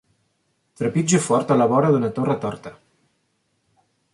Trepitjo fort a la vora d'una torre torta.